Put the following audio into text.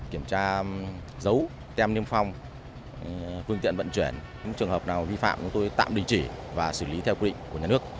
kiểm tra giấu tem niêm phong phương tiện vận chuyển những trường hợp nào vi phạm chúng tôi tạm đình chỉ và xử lý theo quy định của nhà nước